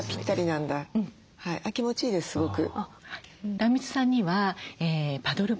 壇蜜さんにはパドルブラシ。